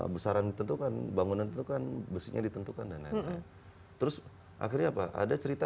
besaran tentukan bangunan itu kan besinya ditentukan dan terus akhirnya pak ada cerita